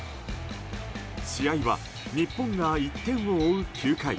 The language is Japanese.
試合は日本が１点を追う９回。